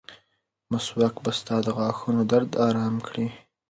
مسواک به ستا د غاښونو درد ارامه کړي.